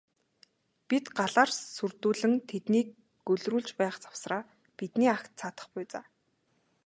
Бид галаар сүрдүүлэн тэднийг гөлрүүлж байх завсраа бидний агт цадах буй за.